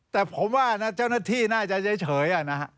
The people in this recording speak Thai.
แต่ผมว่านะเจ้าหน้าที่น่าจะเฉย